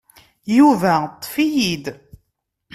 Yuba ṭṭef-iyi-d.